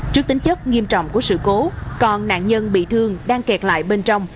trước tính chất nghiêm trọng của sự cố còn nạn nhân bị thương đang kẹt lại bên trong